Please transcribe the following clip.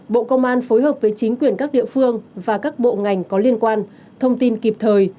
bộ công an phối hợp với chính quyền các địa phương và các bộ ngành có liên quan thông tin kịp thời